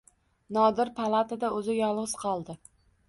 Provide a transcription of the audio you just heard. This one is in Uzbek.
Nodir palatada o‘zi yolg‘iz qoldi.